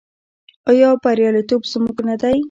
آیا بریالیتوب زموږ نه دی؟